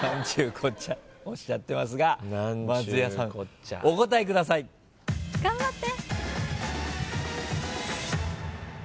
こっちゃいおっしゃってますが松也さんお答えください。頑張って！